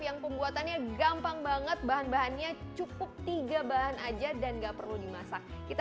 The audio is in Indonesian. yang pembuatannya gampang banget bahan bahannya cukup tiga bahan aja dan nggak perlu dimasak kita